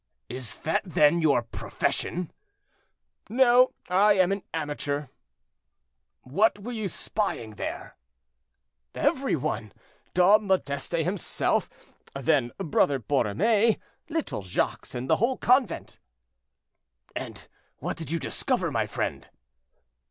"Is that, then, your profession?" "No, I am an amateur." "What were you spying there?" "Every one. Dom Modeste himself, then Brother Borromée, little Jacques, and the whole convent." "And what did you discover, my friend?"